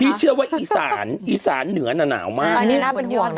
เชื่อว่าอีสานอีสานเหนือน่ะหนาวมากอันนี้น่าเป็นห่วงนะ